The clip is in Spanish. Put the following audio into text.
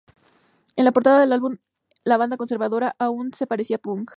En la portada del álbum la banda conserva aún su apariencia punk.